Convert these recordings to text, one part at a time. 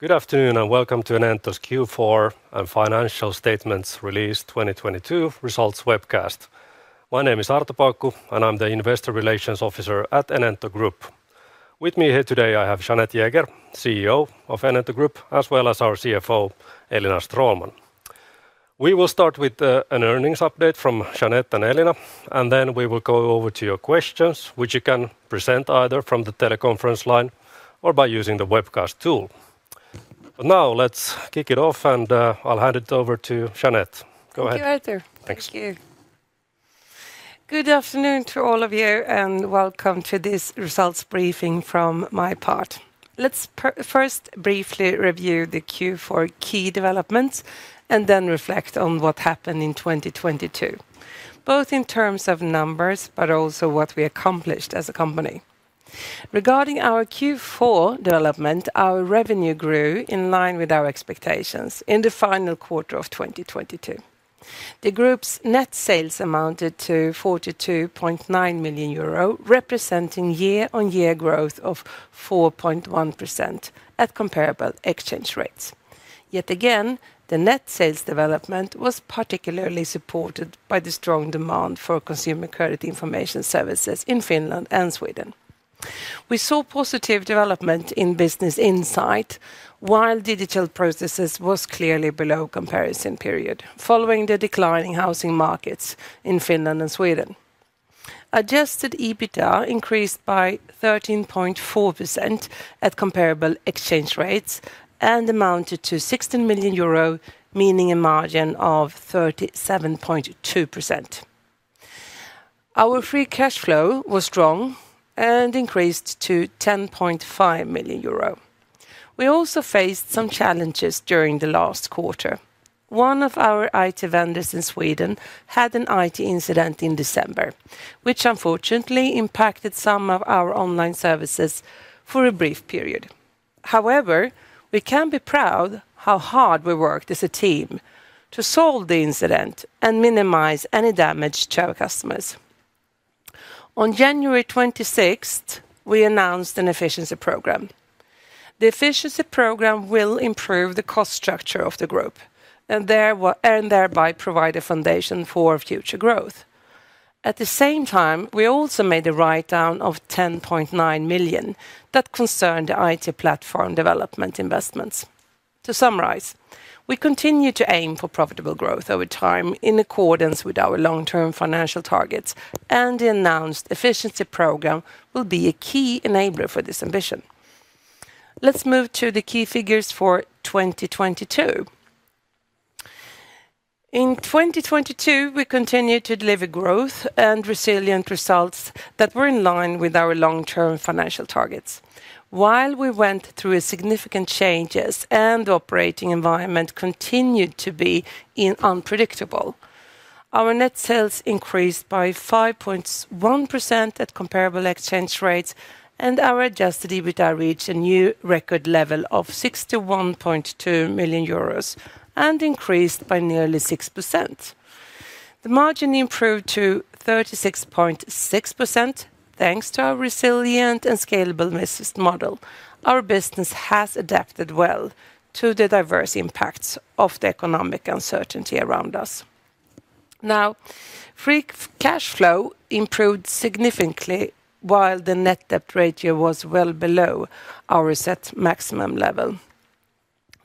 Good afternoon, and welcome to Enento's Q4 and financial statements release 2022 results webcast. My name is Arto Paukku, and I'm the investor relations officer at Enento Group. With me here today, I have Jeanette Jäger, CEO of Enento Group, as well as our CFO, Elina Stråhlman. We will start with an earnings update from Jeanette and Elina, and then we will go over to your questions, which you can present either from the teleconference line or by using the webcast tool. Now let's kick it off, and I'll hand it over to Jeanette. Go ahead. Thank you, Arto. Thanks. Thank you. Good afternoon to all of you, welcome to this results briefing from my part. Let's first briefly review the Q4 key developments and then reflect on what happened in 2022, both in terms of numbers but also what we accomplished as a company. Regarding our Q4 development, our revenue grew in line with our expectations in the final quarter of 2022. The group's net sales amounted to 42.9 million euro, representing year-on-year growth of 4.1% at comparable exchange rates. Yet again, the net sales development was particularly supported by the strong demand for consumer credit information services in Finland and Sweden. We saw positive development in Business Insight, while Digital Processes was clearly below comparison period following the declining housing markets in Finland and Sweden. Adjusted EBITDA increased by 13.4% at comparable exchange rates and amounted to 60 million euro, meaning a margin of 37.2%. Our free cash flow was strong and increased to 10.5 million euro. We also faced some challenges during the last quarter. One of our IT vendors in Sweden had an IT incident in December, which unfortunately impacted some of our online services for a brief period. However, we can be proud how hard we worked as a team to solve the incident and minimize any damage to our customers. On January 26, we announced an efficiency program. The efficiency program will improve the cost structure of the group, and thereby provide a foundation for future growth. At the same time, we also made a write-down of 10.9 million that concerned the IT platform development investments. To summarize, we continue to aim for profitable growth over time in accordance with our long-term financial targets, and the announced efficiency program will be a key enabler for this ambition. Let's move to the key figures for 2022. In 2022, we continued to deliver growth and resilient results that were in line with our long-term financial targets. While we went through a significant changes and operating environment continued to be unpredictable, our net sales increased by 5.1% at comparable exchange rates, and our adjusted EBITDA reached a new record level of 61.2 million euros and increased by nearly 6%. The margin improved to 36.6%. Thanks to our resilient and scalable business model, our business has adapted well to the diverse impacts of the economic uncertainty around us. Free cash flow improved significantly while the net debt ratio was well below our set maximum level.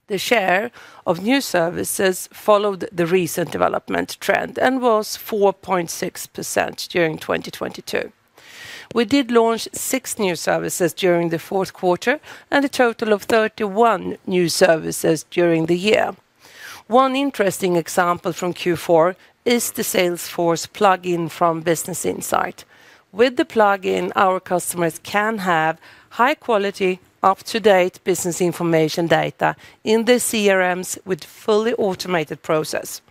The share of new services followed the recent development trend and was 4.6% during 2022. We did launch six new services during the fourth quarter and a total of 31 new services during the year. One interesting example from Q4 is the Salesforce plugin from Business Insight. With the plugin, our customers can have high quality, up-to-date business information data in the CRMs with fully automated process.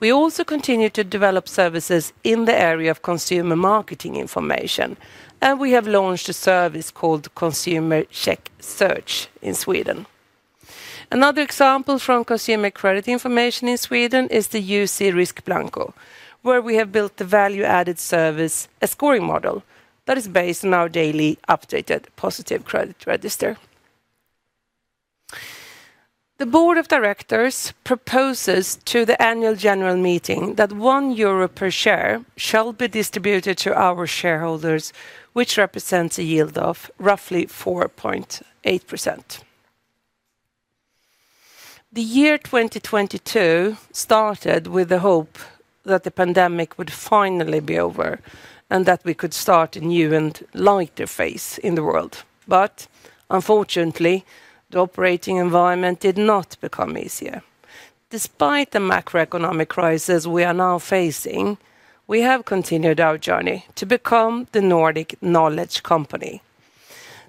We also continue to develop services in the area of consumer marketing information, and we have launched a service called Consumer Check Search in Sweden. Another example from consumer credit information in Sweden is the UC Risk Blanco, where we have built the value-added service, a scoring model that is based on our daily updated positive credit register. The board of directors proposes to the Annual General Meeting that 1 euro per share shall be distributed to our shareholders, which represents a yield of roughly 4.8%. The year 2022 started with the hope that the pandemic would finally be over and that we could start a new and lighter phase in the world. Unfortunately, the operating environment did not become easier. Despite the macroeconomic crisis we are now facing, we have continued our journey to become the Nordic knowledge company.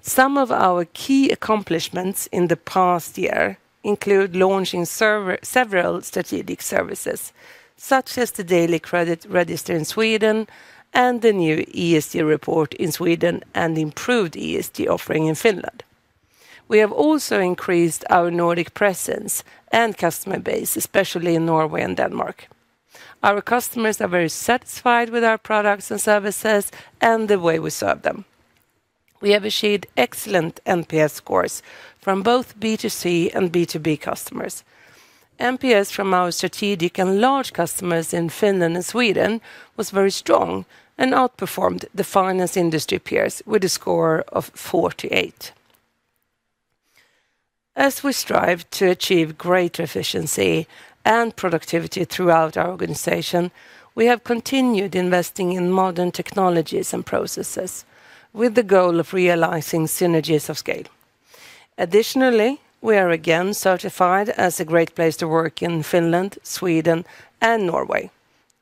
Some of our key accomplishments in the past year include launching several strategic services, such as the daily credit register in Sweden and the new ESG report in Sweden and improved ESG offering in Finland. We have also increased our Nordic presence and customer base, especially in Norway and Denmark. Our customers are very satisfied with our products and services and the way we serve them. We have achieved excellent NPS scores from both B2C and B2B customers. NPS from our strategic and large customers in Finland and Sweden was very strong and outperformed the finance industry peers with a score of 48. As we strive to achieve greater efficiency and productivity throughout our organization, we have continued investing in modern technologies and processes with the goal of realizing synergies of scale. Additionally, we are again certified as a Great Place To Work in Finland, Sweden, and Norway,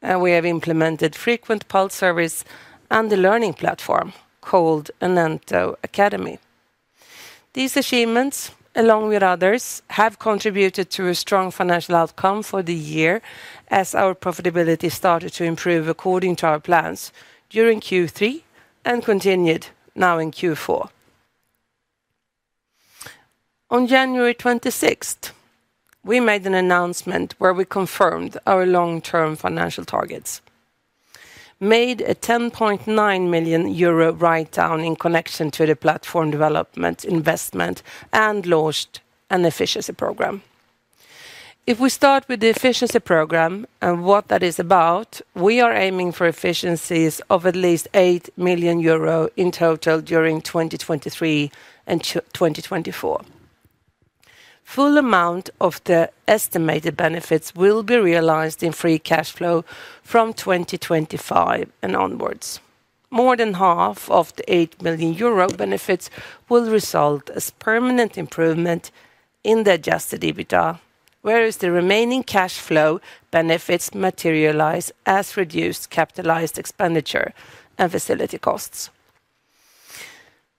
and we have implemented frequent pulse surveys and a learning platform called Enento Academy. These achievements, along with others, have contributed to a strong financial outcome for the year as our profitability started to improve according to our plans during Q3 and continued now in Q4. On January 26th, we made an announcement where we confirmed our long-term financial targets, made a 10.9 million euro write-down in connection to the platform development investment, and launched an efficiency program. If we start with the efficiency program and what that is about, we are aiming for efficiencies of at least 8 million euro in total during 2023 and 2024. Full amount of the estimated benefits will be realized in free cash flow from 2025 and onwards. More than half of the 8 million euro benefits will result as permanent improvement in the adjusted EBITDA, whereas the remaining cash flow benefits materialize as reduced capitalized expenditure and facility costs.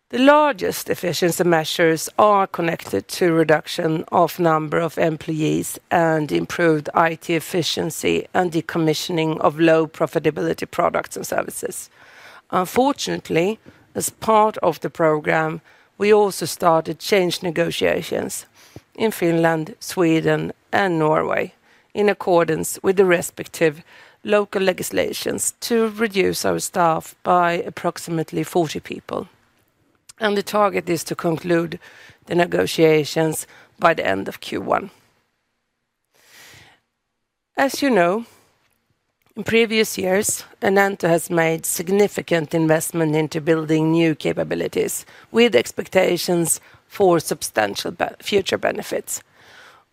The largest efficiency measures are connected to reduction of number of employees and improved IT efficiency and decommissioning of low profitability products and services. Unfortunately, as part of the program, we also started change negotiations in Finland, Sweden, and Norway in accordance with the respective local legislations to reduce our staff by approximately 40 people. The target is to conclude the negotiations by the end of Q1. As you know, in previous years, Enento has made significant investment into building new capabilities with expectations for substantial future benefits.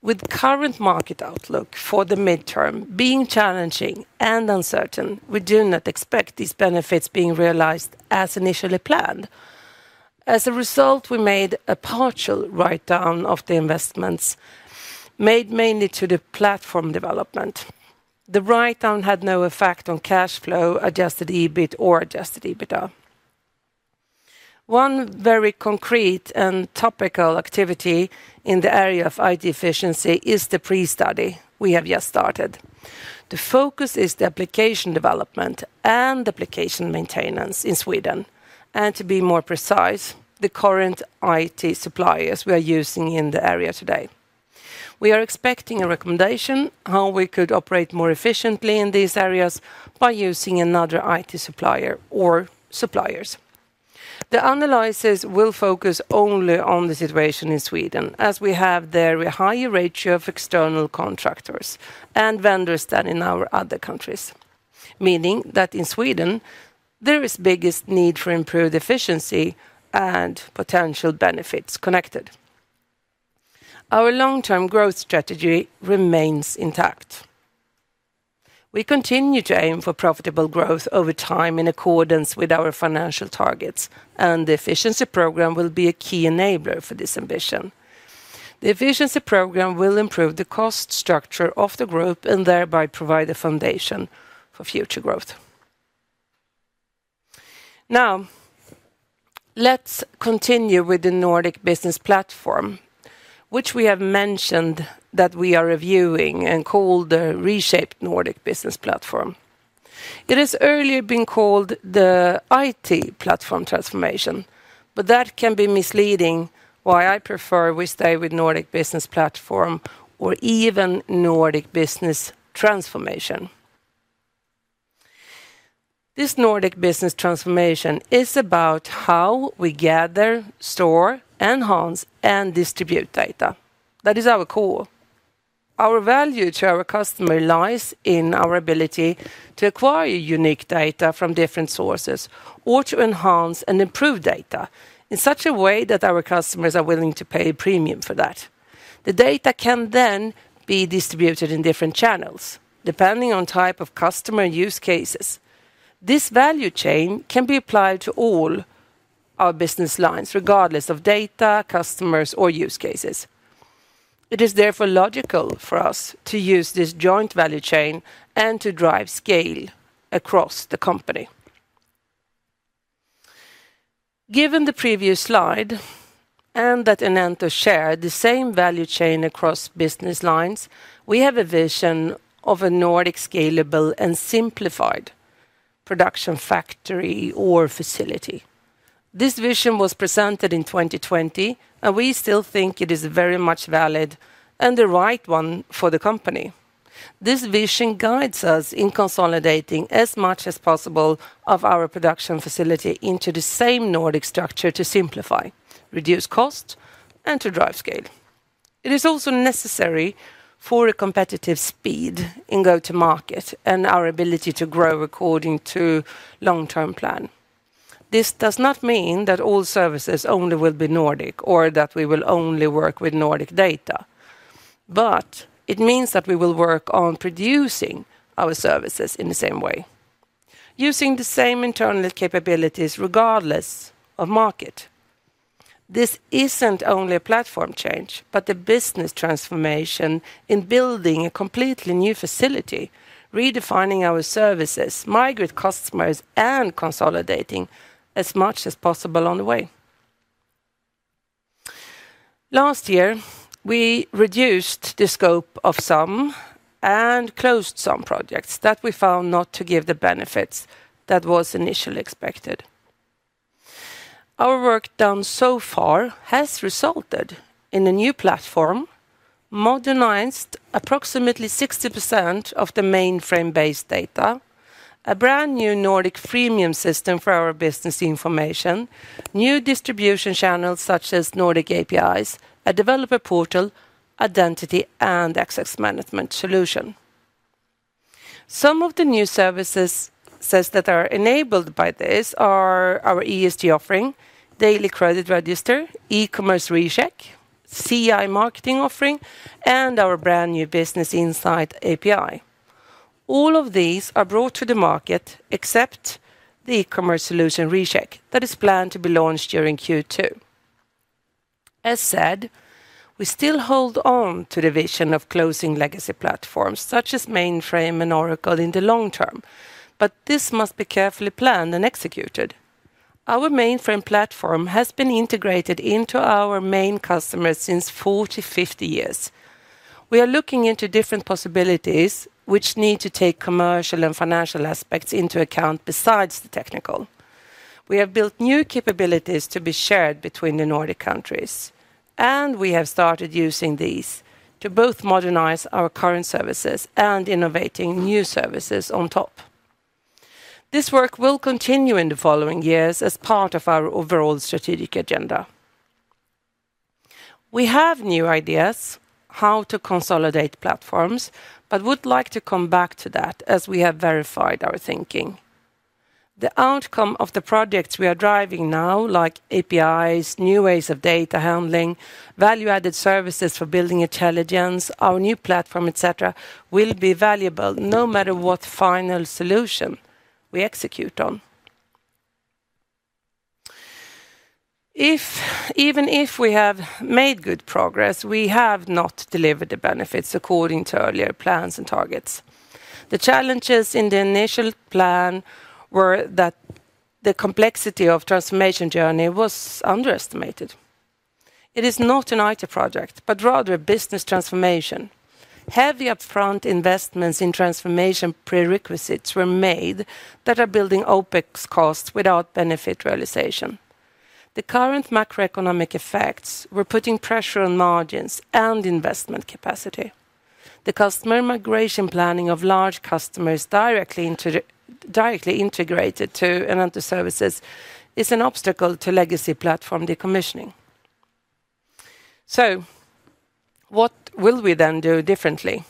With current market outlook for the midterm being challenging and uncertain, we do not expect these benefits being realized as initially planned. As a result, we made a partial write-down of the investments made mainly to the platform development. The write-down had no effect on cash flow, adjusted EBIT, or adjusted EBITDA. One very concrete and topical activity in the area of IT efficiency is the pre-study we have just started. The focus is the application development and application maintenance in Sweden and, to be more precise, the current IT suppliers we are using in the area today. We are expecting a recommendation how we could operate more efficiently in these areas by using another IT supplier or suppliers. The analysis will focus only on the situation in Sweden, as we have there a higher ratio of external contractors and vendors than in our other countries, meaning that in Sweden there is biggest need for improved efficiency and potential benefits connected. Our long-term growth strategy remains intact. We continue to aim for profitable growth over time in accordance with our financial targets, and the efficiency program will be a key enabler for this ambition. The efficiency program will improve the cost structure of the group and thereby provide a foundation for future growth. Let's continue with the Nordic Business Platform, which we have mentioned that we are reviewing and called the Reshaped Nordic Business Platform. It has earlier been called the IT Platform Transformation, but that can be misleading why I prefer we stay with Nordic Business Platform or even Nordic Business Transformation. This Nordic Business Transformation is about how we gather, store, enhance, and distribute data. That is our core. Our value to our customer lies in our ability to acquire unique data from different sources or to enhance and improve data in such a way that our customers are willing to pay a premium for that. The data can then be distributed in different channels, depending on type of customer use cases. This value chain can be applied to all our business lines, regardless of data, customers, or use cases. It is therefore logical for us to use this joint value chain and to drive scale across the company. Given the previous slide and that Enento share the same value chain across business lines, we have a vision of a Nordic scalable and simplified production factory or facility. This vision was presented in 2020, and we still think it is very much valid and the right one for the company. This vision guides us in consolidating as much as possible of our production facility into the same Nordic structure to simplify, reduce cost, and to drive scale. It is also necessary for a competitive speed in go-to-market and our ability to grow according to long-term plan. This does not mean that all services only will be Nordic or that we will only work with Nordic data, but it means that we will work on producing our services in the same way, using the same internal capabilities regardless of market. This isn't only a platform change, but a business transformation in building a completely new facility, redefining our services, migrate customers, and consolidating as much as possible on the way. Last year, we reduced the scope of some and closed some projects that we found not to give the benefits that was initially expected. Our work done so far has resulted in a new platform, modernized approximately 60% of the Mainframe-based data, a brand new Nordic premium system for our business information, new distribution channels such as Nordic APIs, a developer portal, identity, and access management solution. Some of the new services that are enabled by this are our ESG offering, daily credit register, e-commerce Recheck, CI marketing offering, and our brand new Business Insight API. All of these are brought to the market except the e-commerce solution Recheck that is planned to be launched during Q2. As said, we still hold on to the vision of closing legacy platforms such as Mainframe and Oracle in the long term, but this must be carefully planned and executed. Our Mainframe platform has been integrated into our main customers since 40, 50 years. We are looking into different possibilities which need to take commercial and financial aspects into account besides the technical. We have built new capabilities to be shared between the Nordic countries, and we have started using these to both modernize our current services and innovating new services on top. This work will continue in the following years as part of our overall strategic agenda. We have new ideas how to consolidate platforms, would like to come back to that as we have verified our thinking. The outcome of the projects we are driving now, like APIs, new ways of data handling, value-added services for building intelligence, our new platform, et cetera, will be valuable no matter what final solution we execute on. Even if we have made good progress, we have not delivered the benefits according to earlier plans and targets. The challenges in the initial plan were that the complexity of transformation journey was underestimated. It is not an IT project, but rather a business transformation. Heavy upfront investments in transformation prerequisites were made that are building OpEx costs without benefit realization. The current macroeconomic effects were putting pressure on margins and investment capacity. The customer migration planning of large customers directly integrated to Enento services is an obstacle to legacy platform decommissioning. What will we do differently?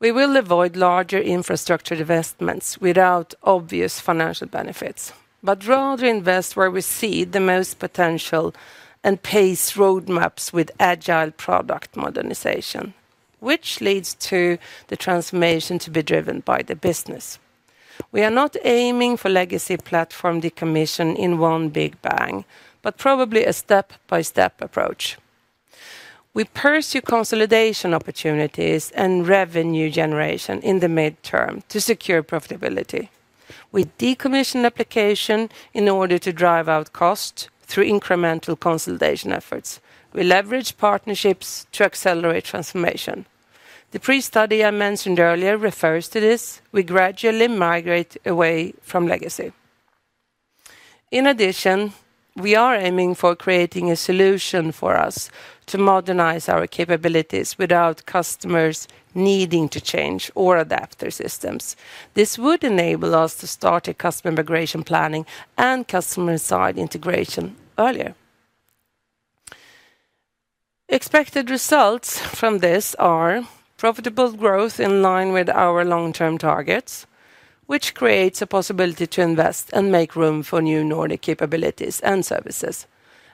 We will avoid larger infrastructure investments without obvious financial benefits, but rather invest where we see the most potential and pace roadmaps with agile product modernization, which leads to the transformation to be driven by the business. We are not aiming for legacy platform decommission in one big bang, but probably a step-by-step approach. We pursue consolidation opportunities and revenue generation in the mid-term to secure profitability. We decommission application in order to drive out cost through incremental consolidation efforts. We leverage partnerships to accelerate transformation. The pre-study I mentioned earlier refers to this. We gradually migrate away from legacy. In addition, we are aiming for creating a solution for us to modernize our capabilities without customers needing to change or adapt their systems. This would enable us to start a customer migration planning and customer site integration earlier. Expected results from this are profitable growth in line with our long-term targets, which creates a possibility to invest and make room for new Nordic capabilities and services,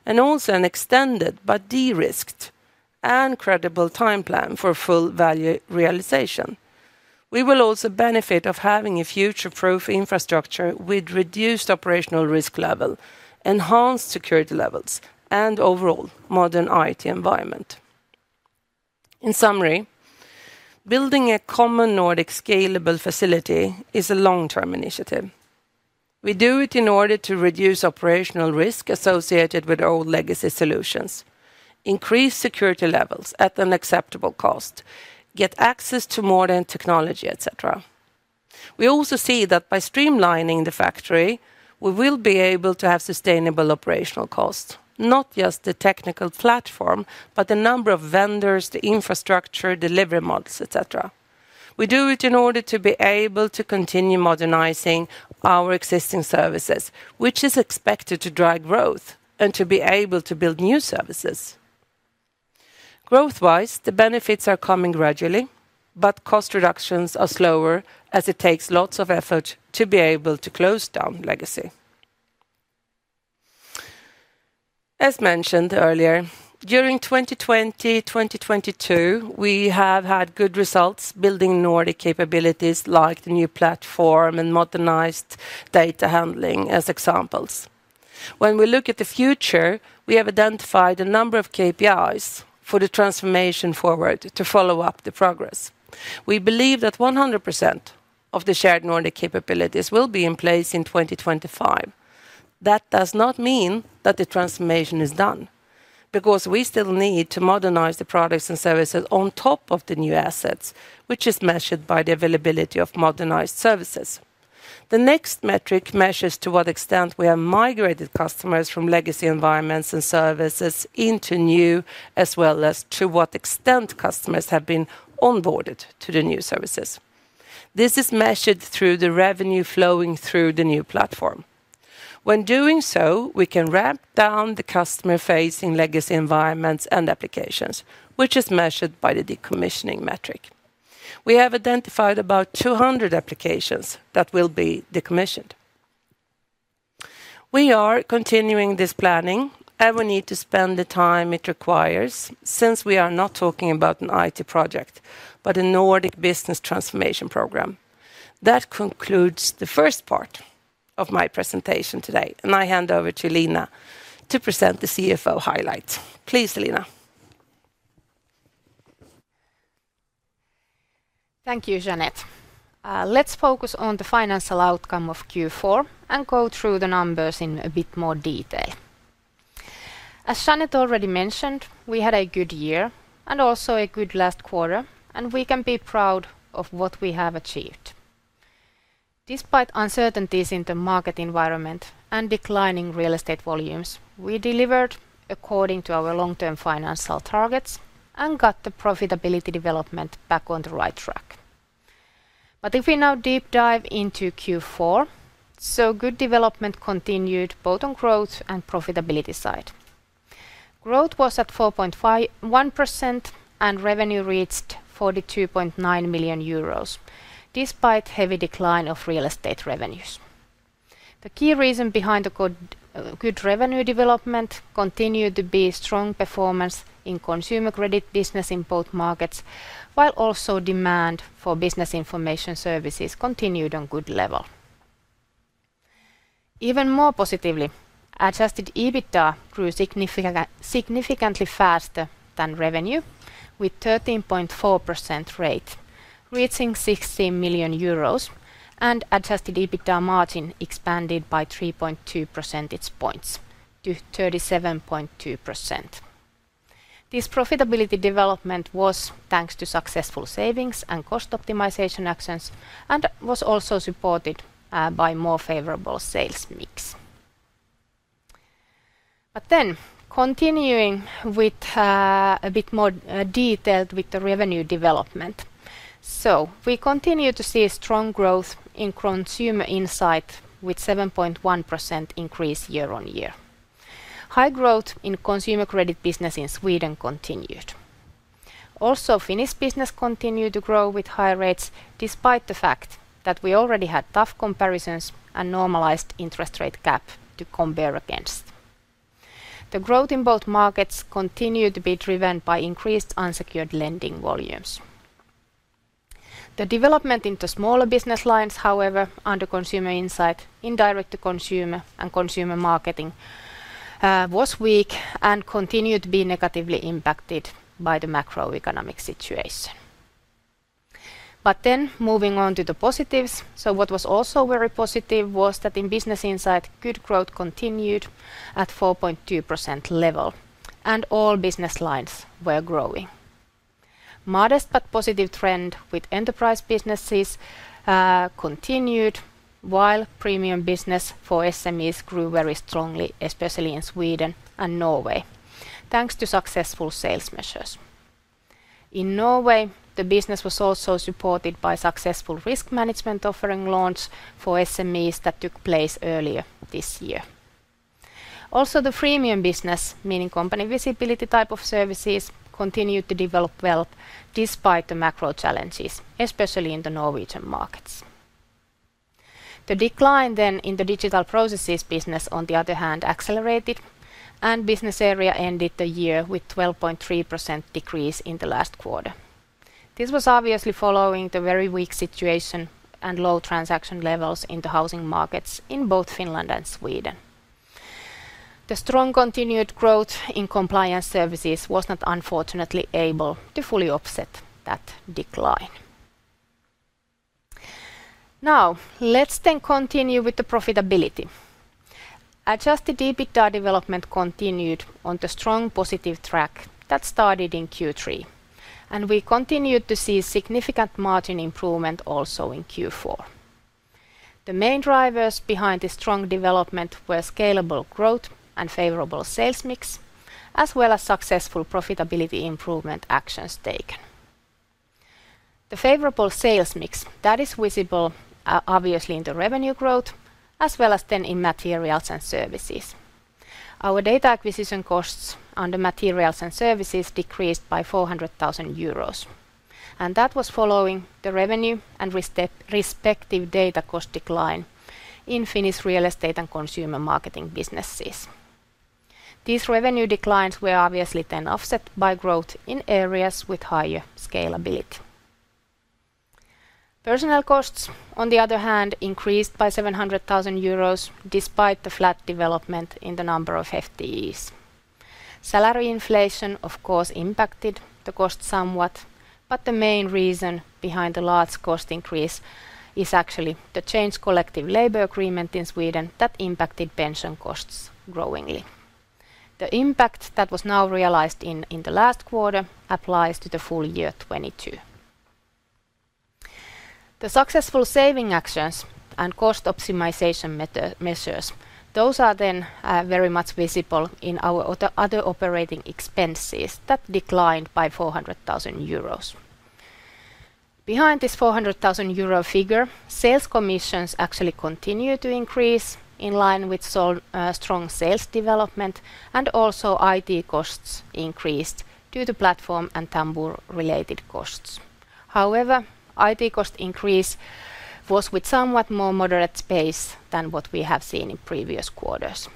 and also an extended but de-risked and credible time plan for full value realization. We will also benefit of having a future-proof infrastructure with reduced operational risk level, enhanced security levels, and overall modern IT environment. In summary, building a common Nordic scalable facility is a long-term initiative. We do it in order to reduce operational risk associated with old legacy solutions, increase security levels at an acceptable cost, get access to modern technology, et cetera. We also see that by streamlining the factory, we will be able to have sustainable operational costs, not just the technical platform, but the number of vendors, the infrastructure, delivery models, et cetera. We do it in order to be able to continue modernizing our existing services, which is expected to drive growth and to be able to build new services. Growth-wise, the benefits are coming gradually, but cost reductions are slower as it takes lots of effort to be able to close down legacy. As mentioned earlier, during 2020, 2022, we have had good results building Nordic capabilities like the new platform and modernized data handling as examples. We look at the future, we have identified a number of KPIs for the transformation forward to follow up the progress. We believe that 100% of the shared Nordic capabilities will be in place in 2025. That does not mean that the transformation is done, because we still need to modernize the products and services on top of the new assets, which is measured by the availability of modernized services. The next metric measures to what extent we have migrated customers from legacy environments and services into new, as well as to what extent customers have been onboarded to the new services. This is measured through the revenue flowing through the new platform. When doing so, we can ramp down the customer-facing legacy environments and applications, which is measured by the decommissioning metric. We have identified about 200 applications that will be decommissioned. We are continuing this planning. We need to spend the time it requires since we are not talking about an IT project, but a Nordic Business Transformation program. That concludes the first part of my presentation today. I hand over to Elina to present the CFO highlights. Please, Elina. Thank you, Jeanette. Let's focus on the financial outcome of Q4 and go through the numbers in a bit more detail. As Jeanette already mentioned, we had a good year and also a good last quarter, and we can be proud of what we have achieved. Despite uncertainties in the market environment and declining real estate volumes, we delivered according to our long-term financial targets and got the profitability development back on the right track. If we now deep dive into Q4, good development continued both on growth and profitability side. Growth was at 4.51%, and revenue reached 42.9 million euros, despite heavy decline of real estate revenues. The key reason behind the good revenue development continued to be strong performance in consumer credit business in both markets, while also demand for business information services continued on good level. Even more positively, adjusted EBITDA grew significantly faster than revenue with 13.4% rate, reaching 60 million euros, and adjusted EBITDA margin expanded by 3.2 percentage points to 37.2%. This profitability development was thanks to successful savings and cost optimization actions, and was also supported by more favorable sales mix. Continuing with a bit more detail with the revenue development. We continue to see strong growth in Consumer Insight with 7.1% increase year on year. High growth in consumer credit business in Sweden continued. Also, Finnish business continued to grow with high rates despite the fact that we already had tough comparisons and normalized interest rate cap to compare against. The growth in both markets continued to be driven by increased unsecured lending volumes. The development into smaller business lines, however, under Consumer Insight, Indirect to Consumer and consumer marketing, was weak and continued to be negatively impacted by the macroeconomic situation. Moving on to the positives. What was also very positive was that in Business Insight, good growth continued at 4.2% level, and all business lines were growing. Modest but positive trend with enterprise businesses continued while premium business for SMEs grew very strongly, especially in Sweden and Norway, thanks to successful sales measures. In Norway, the business was also supported by successful risk management offering launch for SMEs that took place earlier this year. Also, the freemium business, meaning company visibility type of services, continued to develop well despite the macro challenges, especially in the Norwegian markets. The decline in the Digital Processes business, on the other hand, accelerated and business area ended the year with 12.3% decrease in the last quarter. This was obviously following the very weak situation and low transaction levels in the housing markets in both Finland and Sweden. The strong continued growth in compliance services was not unfortunately able to fully offset that decline. Let's continue with the profitability. Adjusted EBITDA development continued on the strong positive track that started in Q3, and we continued to see significant margin improvement also in Q4. The main drivers behind the strong development were scalable growth and favorable sales mix, as well as successful profitability improvement actions taken. The favorable sales mix, that is visible obviously in the revenue growth, as well as then in materials and services. Our data acquisition costs on the materials and services decreased by 400,000 euros. That was following the revenue and respective data cost decline in Finnish real estate and consumer marketing businesses. These revenue declines were obviously then offset by growth in areas with higher scalability. Personnel costs, on the other hand, increased by 700,000 euros despite the flat development in the number of FTEs. Salary inflation, of course, impacted the cost somewhat. The main reason behind the large cost increase is actually the changed collective labor agreement in Sweden that impacted pension costs growingly. The impact that was now realized in the last quarter applies to the full year 2022. The successful saving actions and cost optimization measures, those are then very much visible in our other operating expenses that declined by 400,000 euros. Behind this 400,000 euro figure, sales commissions actually continue to increase in line with so, strong sales development, and also IT costs increased due to platform and Tambur-related costs. However, IT cost increase was with somewhat more moderate pace than what we have seen in previous quarters.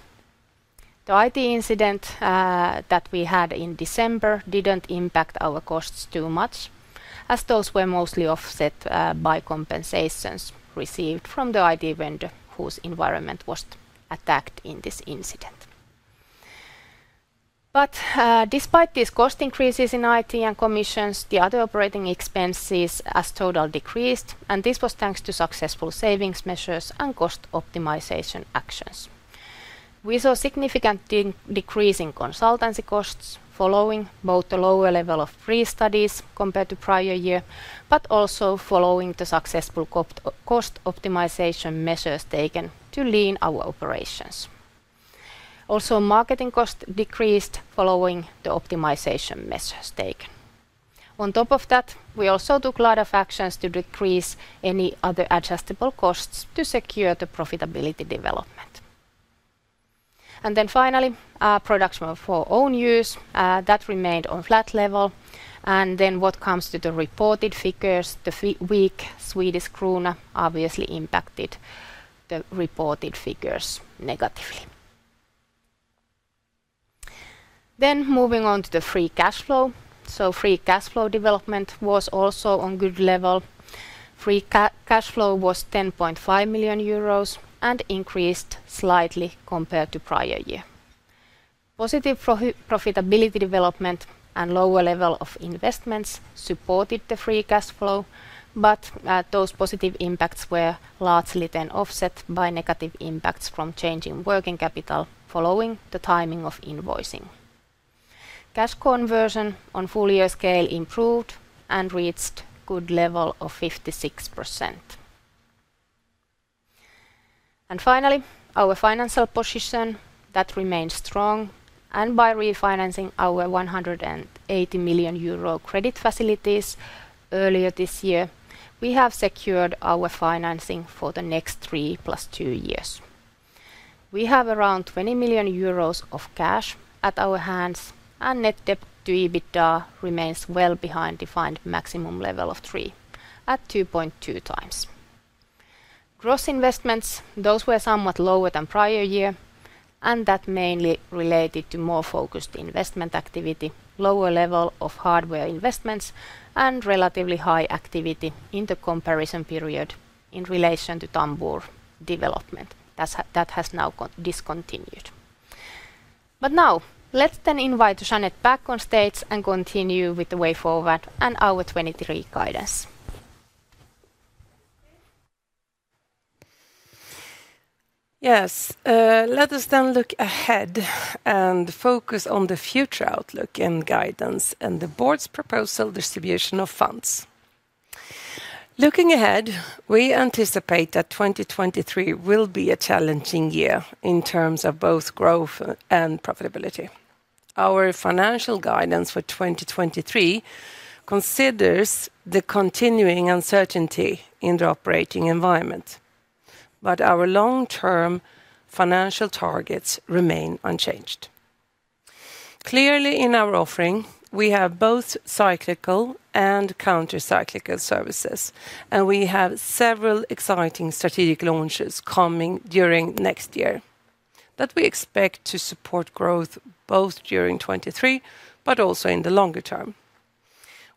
The IT incident that we had in December didn't impact our costs too much, as those were mostly offset by compensations received from the IT vendor whose environment was attacked in this incident. Despite these cost increases in IT and commissions, the other operating expenses as total decreased, and this was thanks to successful savings measures and cost optimization actions. We saw significant decreasing consultancy costs following both the lower level of free studies compared to prior year, but also following the successful cost optimization measures taken to lean our operations. Also, marketing costs decreased following the optimization measures taken. On top of that, we also took a lot of actions to decrease any other adjustable costs to secure the profitability development. Finally, our production for own use, that remained on flat level. What comes to the reported figures, the weak Swedish krona obviously impacted the reported figures negatively. Moving on to the free cash flow. Free cash flow development was also on good level. Free cash flow was 10.5 million euros and increased slightly compared to prior year. Positive profitability development and lower level of investments supported the free cash flow, but those positive impacts were largely then offset by negative impacts from change in working capital following the timing of invoicing. Cash conversion on full year scale improved and reached good level of 56%. Finally, our financial position, that remained strong, by refinancing our 180 million euro credit facilities earlier this year, we have secured our financing for the next three plus two years. We have around 20 million euros of cash at our hands, and net debt to EBITDA remains well behind defined maximum level of 3x at 2.2x. Gross investments, those were somewhat lower than prior year, and that mainly related to more focused investment activity, lower level of hardware investments, and relatively high activity in the comparison period in relation to Tambur development that has now discontinued. Now, let's then invite Jeanette back on stage and continue with the way forward and our 2023 guidance. Let us then look ahead and focus on the future outlook and guidance and the board's proposal distribution of funds. Looking ahead, we anticipate that 2023 will be a challenging year in terms of both growth and profitability. Our financial guidance for 2023 considers the continuing uncertainty in the operating environment, but our long-term financial targets remain unchanged. In our offering, we have both cyclical and counter-cyclical services, and we have several exciting strategic launches coming during next year that we expect to support growth both during 2023 but also in the longer term.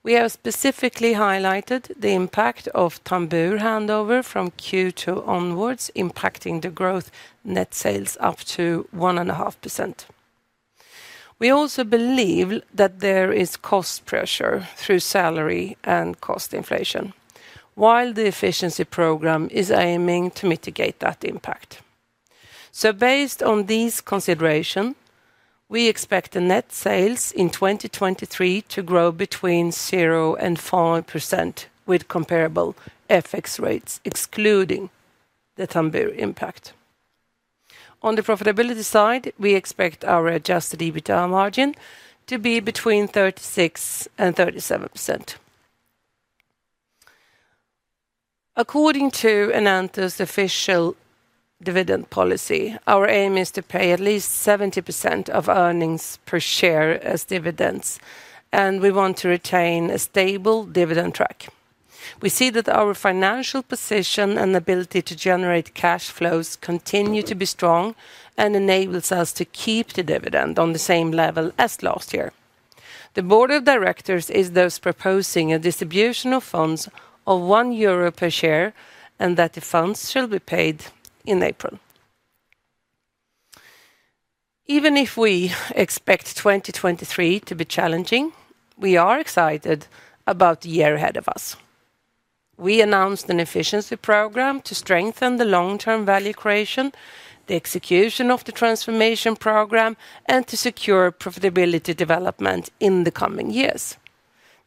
We have specifically highlighted the impact of Tambur handover from Q2 onwards, impacting the growth net sales up to 1.5%. We also believe that there is cost pressure through salary and cost inflation while the efficiency program is aiming to mitigate that impact. Based on these consideration, we expect the net sales in 2023 to grow between 0%-5% with comparable FX rates, excluding the Tambur impact. On the profitability side, we expect our adjusted EBITDA margin to be between 36%-37%. According to Enento's official dividend policy, our aim is to pay at least 70% of earnings per share as dividends, and we want to retain a stable dividend track. We see that our financial position and ability to generate cash flows continue to be strong and enables us to keep the dividend on the same level as last year. The board of directors is thus proposing a distribution of funds of 1 euro per share, and that the funds shall be paid in April. Even if we expect 2023 to be challenging, we are excited about the year ahead of us. We announced an efficiency program to strengthen the long-term value creation, the execution of the transformation program, and to secure profitability development in the coming years.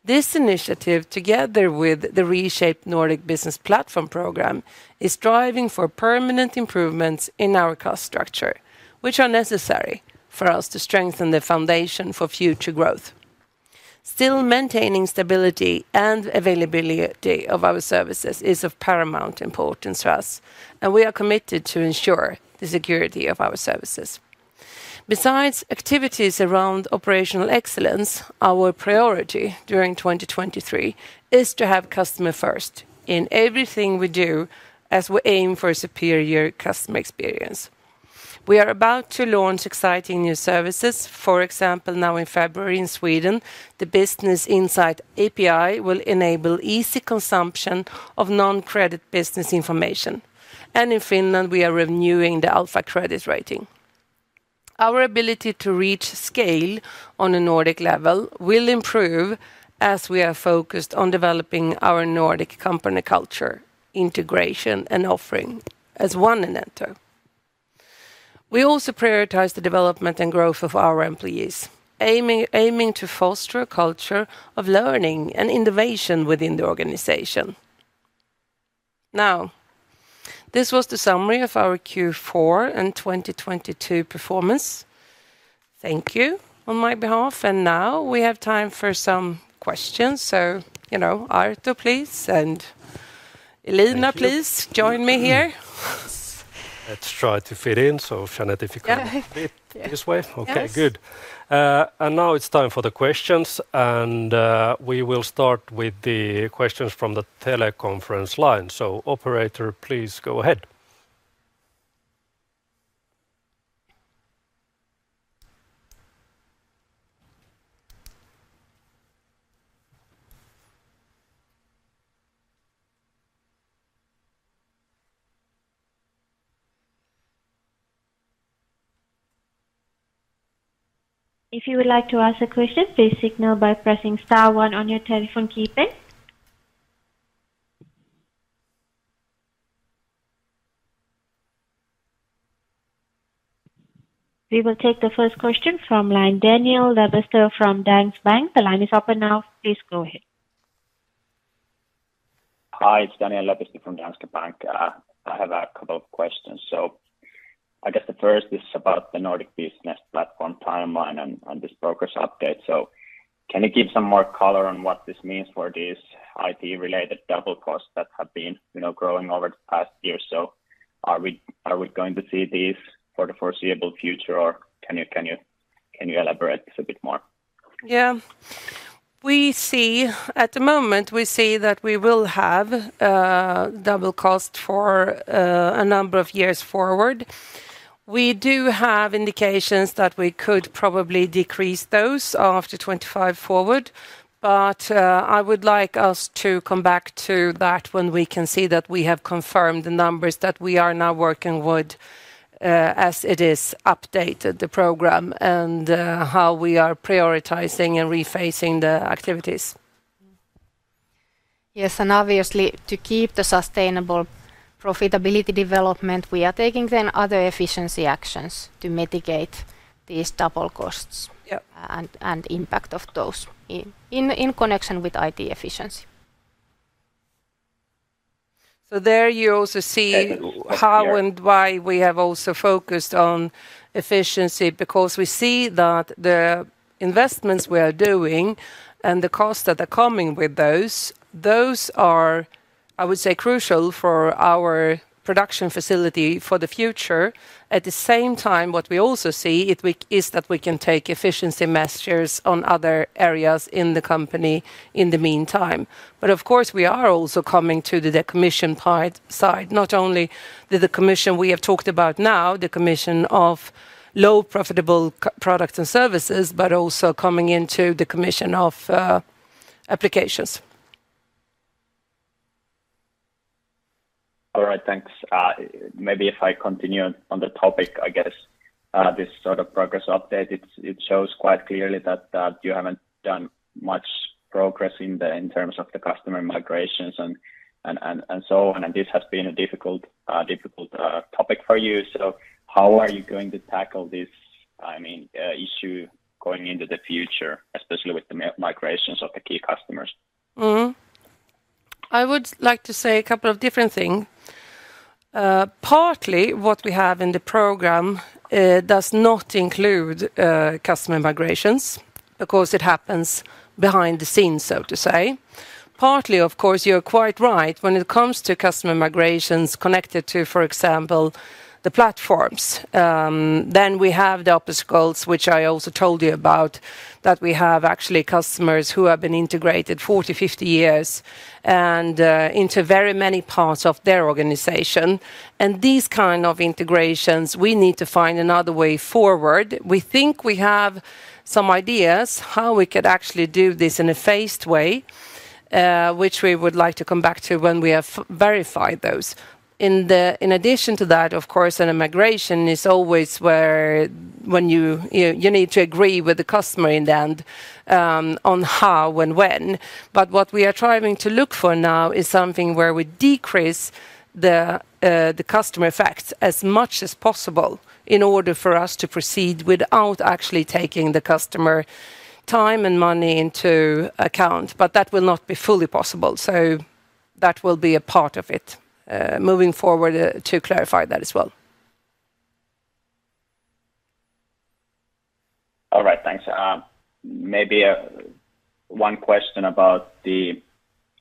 This initiative, together with the Reshape Nordic Business Platform program, is striving for permanent improvements in our cost structure, which are necessary for us to strengthen the foundation for future growth. Maintaining stability and availability of our services is of paramount importance for us, and we are committed to ensure the security of our services. Besides activities around operational excellence, our priority during 2023 is to have customer first in everything we do as we aim for a superior customer experience. We are about to launch exciting new services. For example, now in February in Sweden, the Business Insight API will enable easy consumption of non-credit business information. In Finland, we are renewing the Alfa credit rating. Our ability to reach scale on a Nordic level will improve as we are focused on developing our Nordic company culture, integration, and offering as one Enento. We also prioritize the development and growth of our employees, aiming to foster a culture of learning and innovation within the organization. This was the summary of our Q4 and 2022 performance. Thank you on my behalf, we have time for some questions. You know, Arto, please, Elina, please join me here. Let's try to fit in, so Jeanette, if you can fit this way. Yes. Okay, good. Now it's time for the questions. We will start with the questions from the teleconference line. Operator, please go ahead. If you would like to ask a question, please signal by pressing star one on your telephone keypad. We will take the first question from line Daniel Lepistö from Danske Bank. The line is open now. Please go ahead. Hi, it's Daniel Lepistö from Danske Bank. I have a couple of questions. I guess the first is about the Nordic Business Platform timeline and this progress update. Can you give some more color on what this means for these IT-related double costs that have been, you know, growing over the past years? Are we going to see these for the foreseeable future, or can you elaborate this a bit more? Yeah. At the moment, we see that we will have double cost for a number of years forward. We do have indications that we could probably decrease those after 2025 forward, I would like us to come back to that when we can see that we have confirmed the numbers that we are now working with, as it is updated the program and how we are prioritizing and rephasing the activities. Obviously, to keep the sustainable profitability development, we are taking then other efficiency actions to mitigate these double costs. Yep... And impact of those in connection with IT efficiency. There you also see how and why we have also focused on efficiency because we see that the investments we are doing and the costs that are coming with those are, I would say, crucial for our production facility for the future. At the same time, what we also see is that we can take efficiency measures on other areas in the company in the meantime. Of course, we are also coming to the decommission side, not only the decommission we have talked about now, decommission of low profitable products and services but also coming into decommission of applications. Thanks. Maybe if I continue on the topic, I guess, this sort of progress update, it shows quite clearly that you haven't done much progress in terms of the customer migrations and so on. This has been a difficult topic for you. How are you going to tackle this, I mean, issue going into the future, especially with the migrations of the key customers? I would like to say a couple of different things. Partly what we have in the program does not include customer migrations because it happens behind the scenes, so to say. Partly, of course, you're quite right. When it comes to customer migrations connected to, for example, the platforms, then we have the obstacles which I also told you about, that we have actually customers who have been integrated 40, 50 years and into very many parts of their organization. These kinds of integrations, we need to find another way forward. We think we have some ideas how we could actually do this in a phased way, which we would like to come back to when we have verified those. In addition to that, of course, in a migration is always where when you need to agree with the customer in the end, on how and when. What we are trying to look for now is something where we decrease the customer effects as much as possible in order for us to proceed without actually taking the customer time and money into account. That will not be fully possible, so that will be a part of it, moving forward, to clarify that as well. All right. Thanks. Maybe one question about the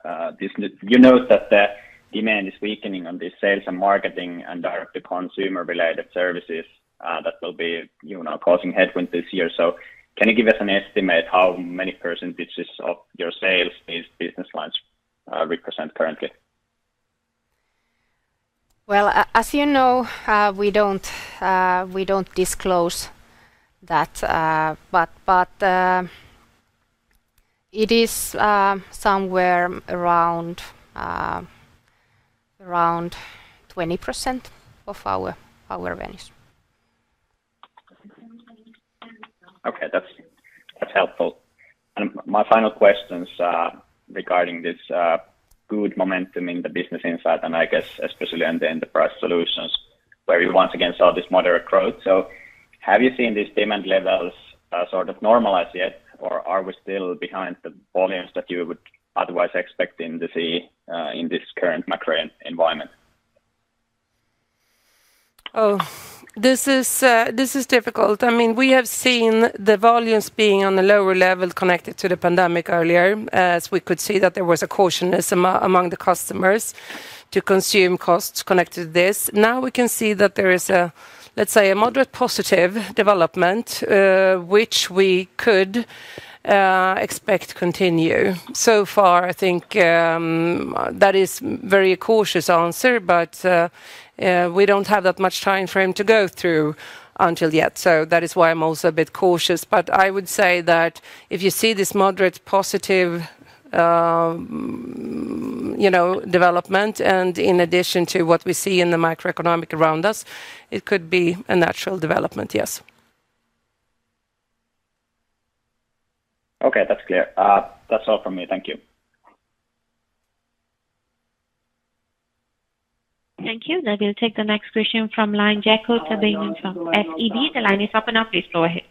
You note that the demand is weakening on the sales and marketing and direct-to-consumer related services, that will be, you know, causing headwind this year. Can you give us an estimate how many percentages of your sales these business lines represent currently? Well, as you know, we don't disclose that. It is somewhere around 20% of our revenues. That's helpful. My final question's regarding this good momentum in the Business Insight, I guess especially in the enterprise solutions, where you once again saw this moderate growth. Have you seen these demand levels sort of normalize yet, or are we still behind the volumes that you would otherwise expect them to see in this current macroeconomic environment? This is difficult. I mean, we have seen the volumes being on a lower level connected to the pandemic earlier, as we could see that there was a cautionism among the customers to consume costs connected to this. Now we can see that there is a, let's say, a moderate positive development, which we could expect to continue. I think that is very cautious answer, but we don't have that much timeframe to go through until yet. That is why I'm also a bit cautious. I would say that if you see this moderate positive, you know, development and in addition to what we see in the macroeconomic around us, it could be a natural development, yes. Okay. That's clear. That's all from me. Thank you. Thank you. Now we'll take the next question from line, Jaakko Tyrväinen from SEB. The line is open now. Please go ahead.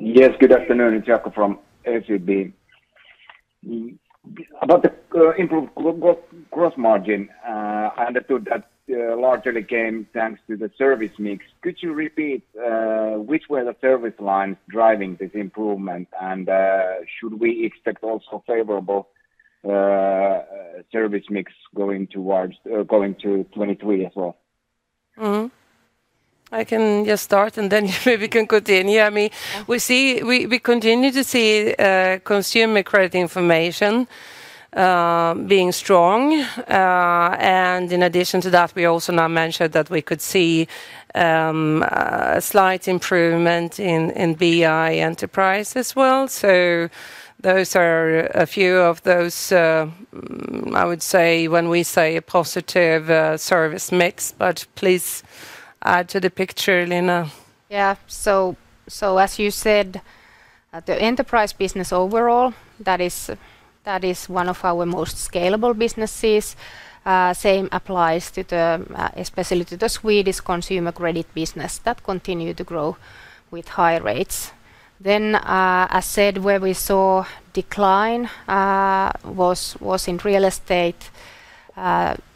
Yes, good afternoon. It's Jaakko from SEB. About the improved gross margin, I understood that largely came thanks to the service mix. Could you repeat which were the service lines driving this improvement? Should we expect also favorable service mix going to 2023 as well? I can just start, and then maybe you can continue. We continue to see consumer credit information being strong. In addition to that, we also now mentioned that we could see a slight improvement in BI Enterprise as well. Those are a few of those, I would say when we say a positive service mix. Please add to the picture, Elina. As you said, the enterprise business overall, that is one of our most scalable businesses. Same applies to the especially to the Swedish consumer credit business that continue to grow with high rates. As said, where we saw decline was in real estate,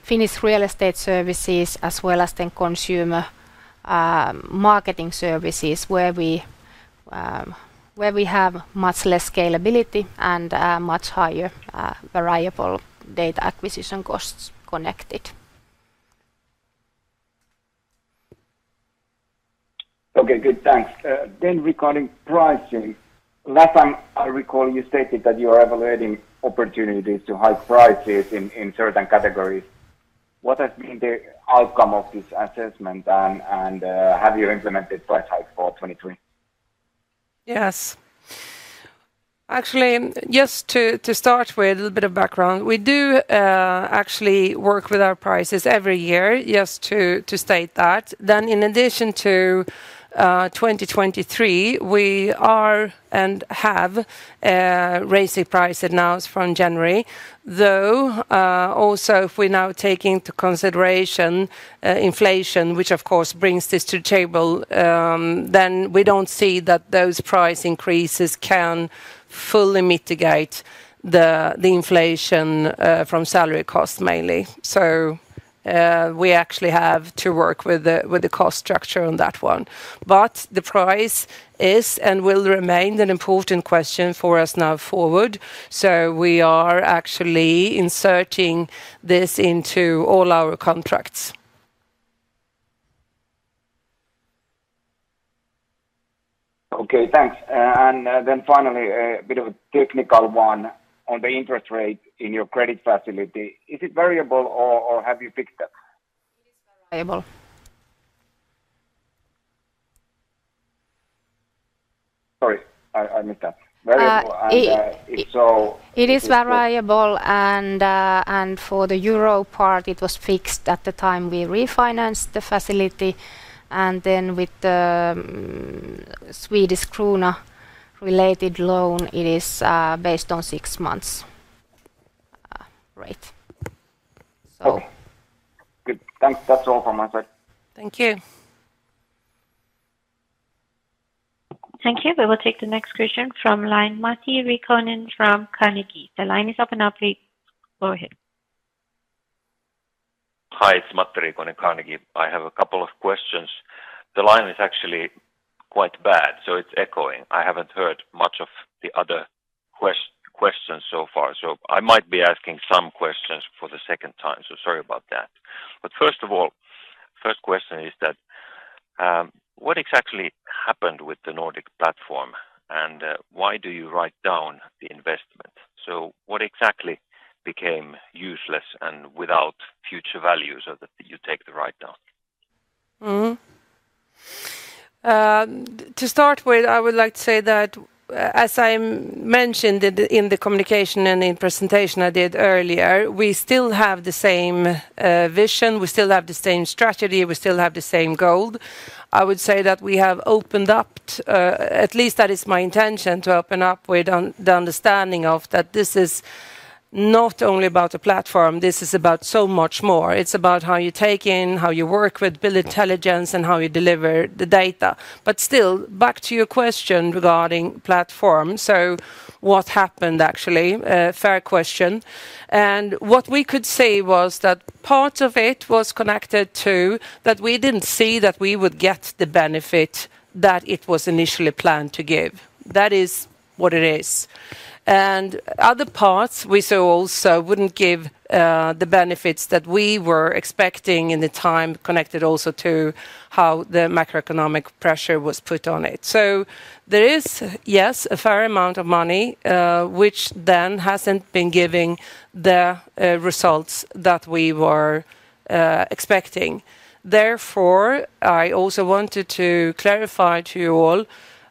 Finnish real estate services, as well as consumer Marketing services, where we have much less scalability and much higher variable data acquisition costs connected. Okay, good. Thanks. Regarding pricing, last time I recall you stated that you are evaluating opportunities to hike prices in certain categories. What has been the outcome of this assessment, and have you implemented price hike for 2023? Yes. Actually, just to start with a little bit of background, we do actually work with our prices every year, just to state that. In addition to 2023, we are and have raised the price announced from January. Also if we now take into consideration inflation, which of course brings this to table, then we don't see that those price increases can fully mitigate the inflation from salary costs mainly. We actually have to work with the cost structure on that one. The price is and will remain an important question for us now forward. We are actually inserting this into all our contracts. Okay, thanks. Then finally, a bit of a technical one on the interest rate in your credit facility. Is it variable or have you fixed that? It is variable. Sorry, I missed that. Variable and, if so- It is variable, and for the euro part, it was fixed at the time we refinanced the facility. With the Swedish krona related loan, it is based on six months rate. Okay. Good. Thanks. That's all from my side. Thank you. Thank you. We will take the next question from line Matti Riikonen from Carnegie. The line is open now, please go ahead. Hi, it's Matti Riikonen, Carnegie. I have a couple of questions. The line is actually quite bad, so it's echoing. I haven't heard much of the other questions so far. I might be asking some questions for the second time, so sorry about that. First of all, first question is that, what exactly happened with the Nordic Platform, and why do you write down the investment? What exactly became useless and without future values so that you take the write-down? To start with, I would like to say that as I mentioned in the communication and in presentation I did earlier, we still have the same vision, we still have the same strategy, we still have the same goal. I would say that we have opened up, at least that is my intention, to open up with the understanding of that this is not only about a platform, this is about so much more. It's about how you take in, how you work with bill intelligence, and how you deliver the data. Back to your question regarding platform. What happened actually? Fair question. What we could say was that part of it was connected to that we didn't see that we would get the benefit that it was initially planned to give. That is what it is. Other parts we saw also wouldn't give the benefits that we were expecting in the time connected also to how the macroeconomic pressure was put on it. There is, yes, a fair amount of money, which then hasn't been giving the results that we were expecting. I also wanted to clarify to you all,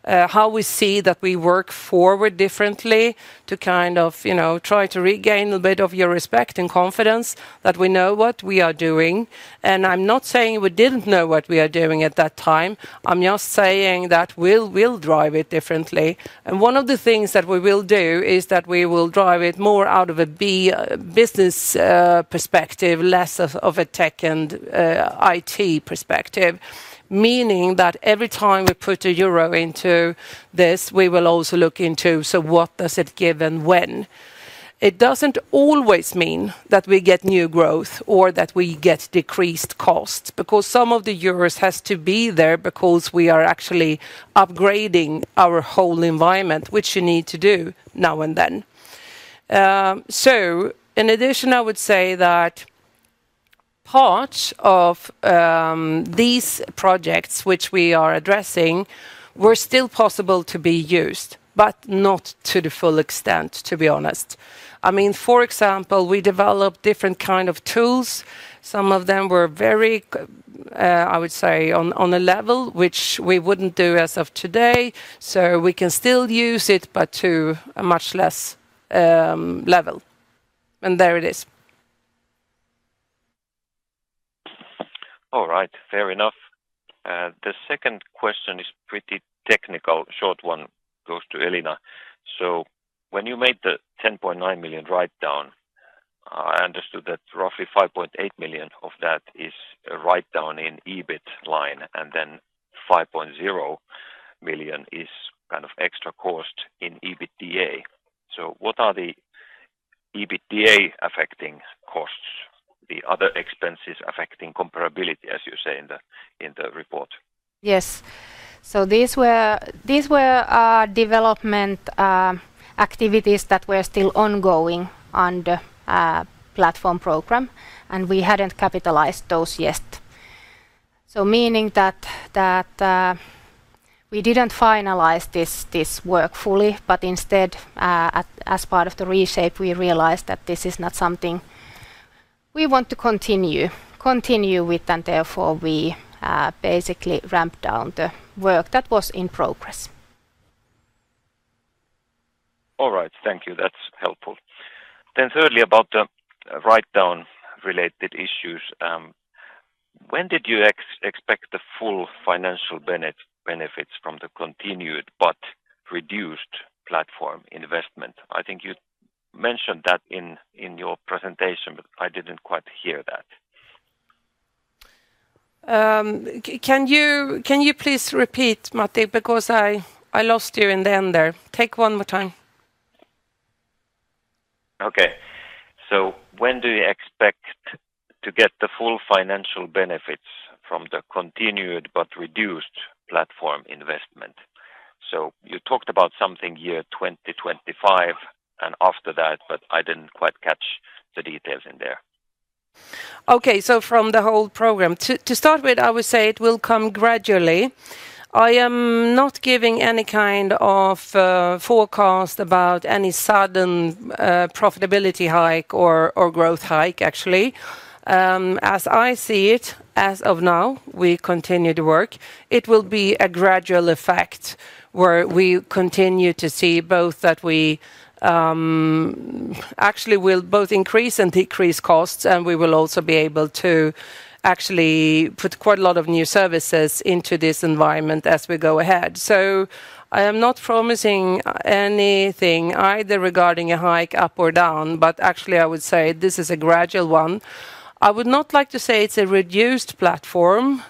how we see that we work forward differently to kind of, you know, try to regain a bit of your respect and confidence that we know what we are doing. I'm not saying we didn't know what we are doing at that time, I'm just saying that we will drive it differently. One of the things that we will do is that we will drive it more out of a business perspective, less of a tech and IT perspective. Meaning that every time we put a euro into this, we will also look into, so what does it give and when? It doesn't always mean that we get new growth or that we get decreased costs, because some of the euros has to be there because we are actually upgrading our whole environment, which you need to do now and then. In addition, I would say that part of these projects which we are addressing were still possible to be used, but not to the full extent, to be honest. I mean, for example, we developed different kind of tools. Some of them were very, I would say, on a level which we wouldn't do as of today. We can still use it, but to a much less level. There it is. All right. Fair enough. The second question is pretty technical. Short one goes to Elina. When you made the 10.9 million write-down, I understood that roughly 5.8 million of that is a write-down in EBIT line, and then 5.0 million is kind of extra cost in EBITDA. What are the EBITDA affecting costs, the other expenses affecting comparability, as you say in the report? Yes. These were development activities that were still ongoing on the platform program, and we hadn't capitalized those yet. Meaning that we didn't finalize this work fully, but instead, as part of the reshape, we realized that this is not something we want to continue with. Therefore we basically ramped down the work that was in progress. All right. Thank you. That's helpful. Thirdly, about the write-down related issues, when did you expect the full financial benefits from the continued but reduced platform investment? I think you mentioned that in your presentation, but I didn't quite hear that. Can you please repeat, Matti? Because I lost you in the end there. Take one more time. Okay. When do you expect to get the full financial benefits from the continued but reduced platform investment? You talked about something year 2025 and after that, but I didn't quite catch the details in there. Okay. From the whole program. To start with, I would say it will come gradually. I am not giving any kind of forecast about any sudden profitability hike or growth hike, actually. As I see it, as of now, we continue to work. It will be a gradual effect where we continue to see both that we actually will both increase and decrease costs, and we will also be able to actually put quite a lot of new services into this environment as we go ahead. I am not promising anything either regarding a hike up or down, but actually I would say this is a gradual one. I would not like to say it's a reduced platform.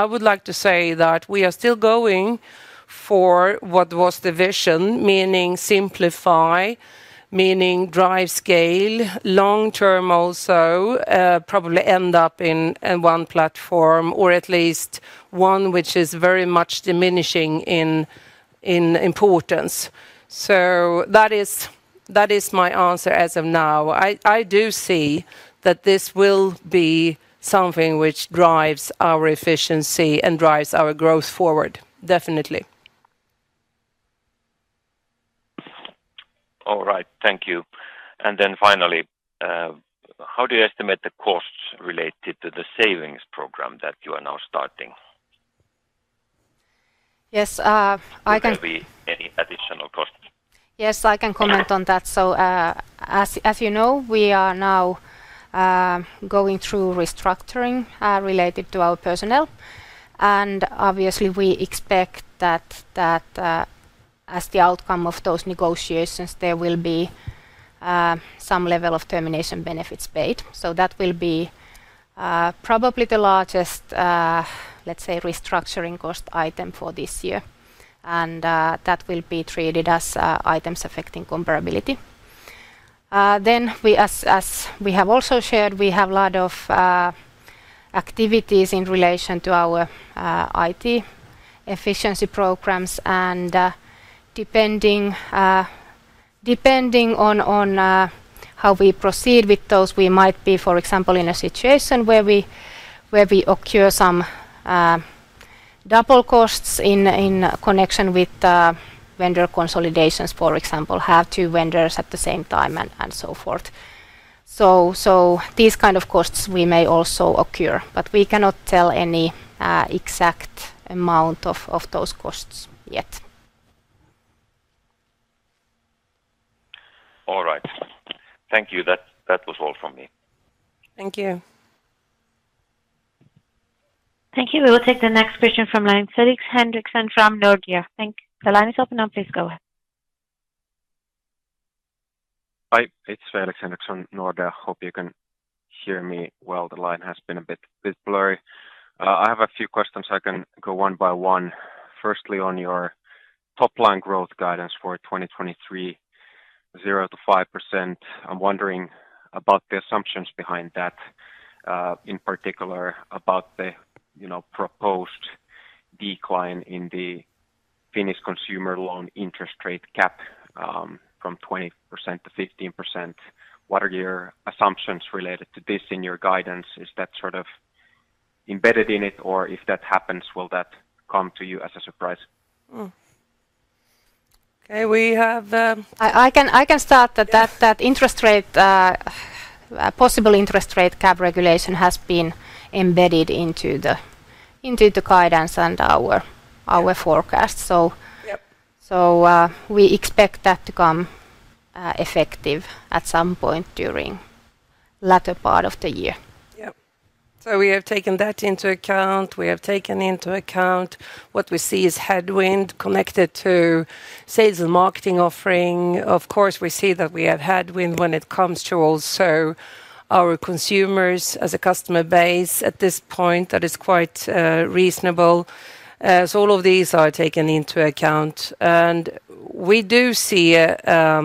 I would like to say that we are still going for what was the vision, meaning simplify, meaning drive scale, long term also, probably end up in one platform, or at least one which is very much diminishing in importance. That is my answer as of now. I do see that this will be something which drives our efficiency and drives our growth forward, definitely. All right. Thank you. Finally, how do you estimate the costs related to the savings program that you are now starting? Yes. Will there be any additional costs? Yes, I can comment on that. As you know, we are now going through restructuring related to our personnel. Obviously we expect that as the outcome of those negotiations, there will be some level of termination benefits paid. That will be probably the largest, let's say, restructuring cost item for this year. That will be treated as items affecting comparability. As we have also shared, we have a lot of activities in relation to our IT efficiency programs and depending on how we proceed with those, we might be, for example, in a situation where we occur some double costs in connection with vendor consolidations, for example, have two vendors at the same time and so forth. These kind of costs we may also occur, but we cannot tell any exact amount of those costs yet. All right. Thank you. That was all from me. Thank you. Thank you. We will take the next question from line Felix Henriksson from Nordea. The line is open now. Please go ahead. Hi, it's Felix Henriksson, Nordea. Hope you can hear me well. The line has been a bit blurry. I have a few questions. I can go one by one. Firstly, on your top line growth guidance for 2023, 0%-5%. I'm wondering about the assumptions behind that, in particular about the, you know, proposed decline in the Finnish consumer loan interest rate cap, from 20%-15%. What are your assumptions related to this in your guidance? Is that sort of embedded in it, or if that happens, will that come to you as a surprise? Okay. We have. I can start that interest rate, possible interest rate cap regulation has been embedded into the guidance and our forecast. Yep We expect that to come effective at some point during latter part of the year. Yep. We have taken that into account. We have taken into account what we see as headwind connected to sales and marketing offering. Of course, we see that we have headwind when it comes to also our consumers as a customer base. At this point, that is quite reasonable. All of these are taken into account. We do see, I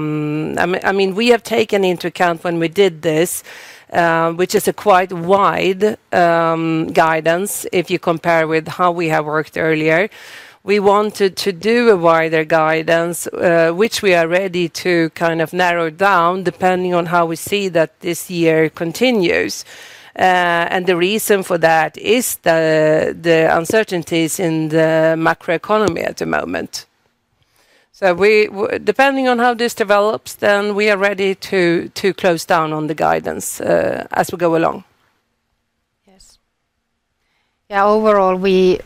mean, we have taken into account when we did this, which is a quite wide guidance if you compare with how we have worked earlier. We wanted to do a wider guidance, which we are ready to kind of narrow down depending on how we see that this year continues. The reason for that is the uncertainties in the macroeconomy at the moment. We depending on how this develops, we are ready to close down on the guidance as we go along. Yes. Overall, we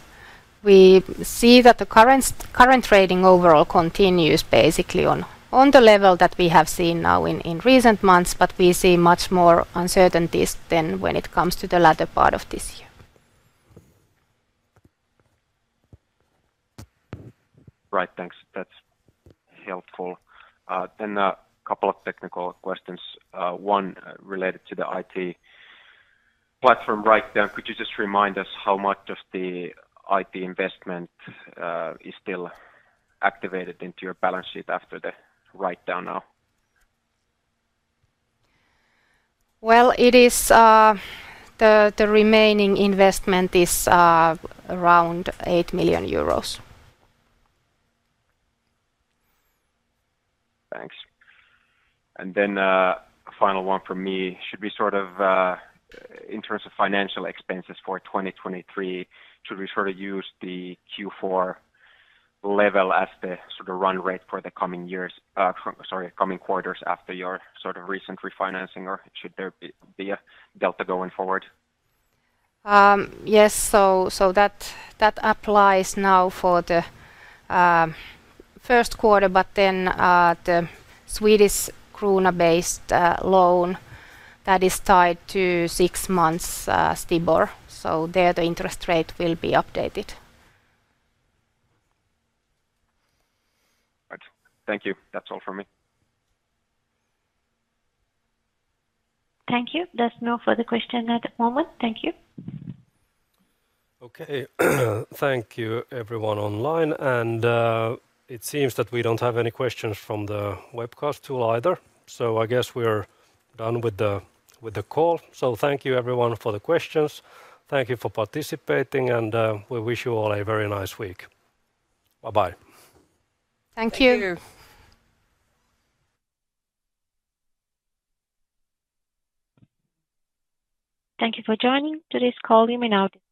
see that the current trading overall continues basically on the level that we have seen now in recent months. We see much more uncertainties than when it comes to the latter part of this year. Right. Thanks. That's helpful. A couple of technical questions. One related to the IT platform write down. Could you just remind us how much of the IT investment is still activated into your balance sheet after the write down now? The remaining investment is around EUR 8 million. Thanks. A final one from me. Should we sort of, in terms of financial expenses for 2023, should we sort of use the Q4 level as the sort of run rate for the coming years, sorry, coming quarters after your sort of recent refinancing or should there be a delta going forward? Yes. That applies now for the first quarter, but then, the Swedish krona-based loan that is tied to six months STIBOR. There, the interest rate will be updated. Right. Thank you. That's all from me. Thank you. There's no further question at the moment. Thank you. Okay. Thank you everyone online. It seems that we don't have any questions from the webcast tool either. I guess we are done with the call. Thank you everyone for the questions. Thank you for participating, and we wish you all a very nice week. Bye-bye. Thank you. Thank you. Thank you for joining today's call you may now-